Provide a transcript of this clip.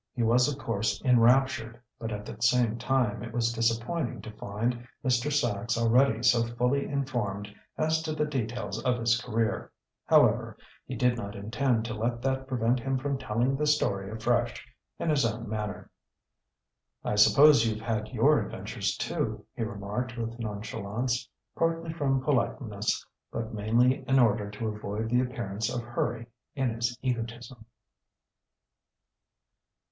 He was of course enraptured, but at the same time it was disappointing to find Mr. Sachs already so fully informed as to the details of his career. However, he did not intend to let that prevent him from telling the story afresh, in his own manner. "I suppose you've had your adventures too," he remarked with nonchalance, partly from politeness, but mainly in order to avoid the appearance of hurry in his egotism.